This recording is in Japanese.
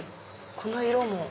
この色も。